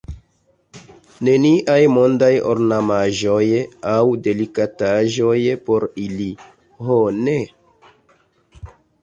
Neniaj mondaj ornamaĵoj aŭ delikataĵoj por ili, ho ne!